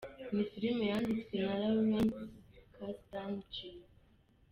Ni film yanditswe na Lawrence Kasdan,J.